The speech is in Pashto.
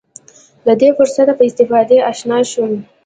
له دې فرصته په استفادې اشنا شم.